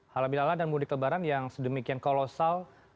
halal bihalal dan mudik lebaran yang sedemikian kolosal